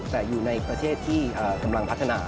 แต่อยู่ในประเทศที่กำลังพัฒนา